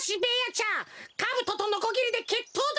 ちゃんカブトとノコギリでけっとうだ！